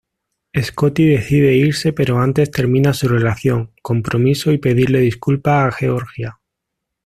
Scotty decide irse pero antes termina su relación, compromiso y pedirle disculpas a Georgia.